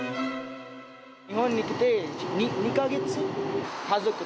日本に来て２か月。